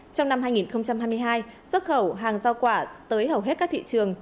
trong năm hai nghìn hai mươi hai xuất khẩu hàng giao quả tới hầu hết các thị trường